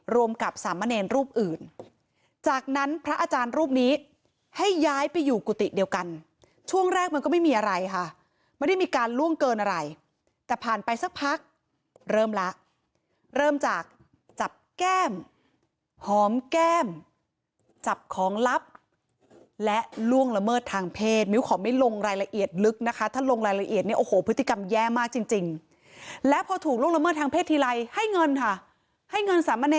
รวมกับสามเมรนดร์รูปอื่นจากนั้นพระอาจารย์รูปนี้ให้ย้ายไปอยู่กุฏิเดียวกันช่วงแรกมันก็ไม่มีอะไรค่ะมันได้มีการล่วงเกินอะไรแต่ผ่านไปสักพักเริ่มละเริ่มจากจับแก้มหอมแก้มจับของลับและล่วงละเมิดทางเพศมิวขอไม่ลงรายละเอียดลึกนะคะถ้าลงรายละเอียดเนี่ยโอ้โหพฤติกรรมแย่มากจริง